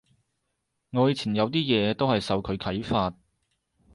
我以前有啲嘢都係受佢啓發